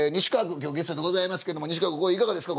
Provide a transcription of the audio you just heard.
今日ゲストでございますけども西川君いかがですか？